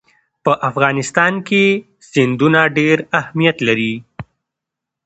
په افغانستان کې سیندونه ډېر اهمیت لري.